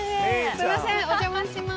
すいませんお邪魔します。